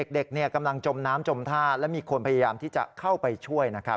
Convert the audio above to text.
เด็กกำลังจมน้ำจมท่าและมีคนพยายามที่จะเข้าไปช่วยนะครับ